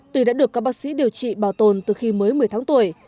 tuy đã được các bác sĩ điều trị bảo tồn từ khi mới một mươi tháng tuổi